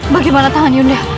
bagaimana tangan yunda